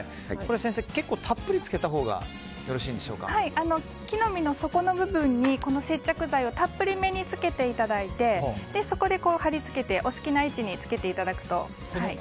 先生これはたっぷりつけたほうが木の実の底の部分にこの接着剤をたっぷりめにつけていただいてそこで貼り付けてお好きな位置につけていただくと。